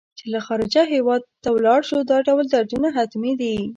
چې له خارجه هېواد ته ولاړ شو دا ډول دردونه حتمي دي.